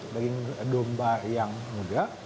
daging domba yang muda